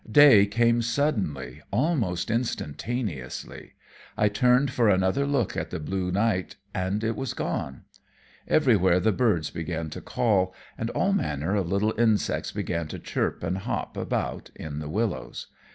Day came suddenly, almost instantaneously. I turned for another look at the blue night, and it was gone. Everywhere the birds began to call, and all manner of little insects began to chirp and hop about in the willows.